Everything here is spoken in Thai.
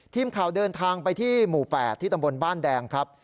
ทีมข่าวเดินทางไปที่หมู่๘ที่ตำบลบ้านแดงครับ